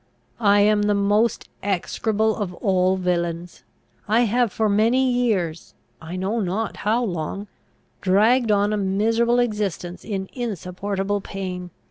I am the most execrable of all villains. I have for many years (I know not how long) dragged on a miserable existence in insupportable pain.